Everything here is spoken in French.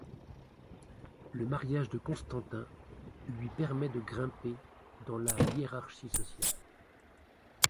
Le mariage de Constantin lui permet de grimper dans la hiérarchie sociale.